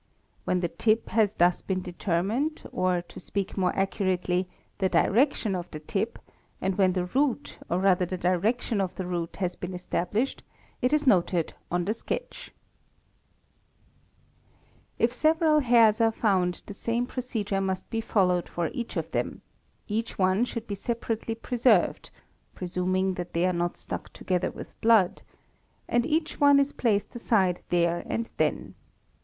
When the tip has thus been determined or to speak more accurately the direction of the tip, and when the root or rather the direction of the root has been established, it is noted on the sketch (thus in Fig. 4, instead of a and b we put T and R). Tf several hairs are found the same procedure must be followed for each of them ; each one should be separately preserved (presuming that they are not stuck together with blood), and each one is placed aside there and then.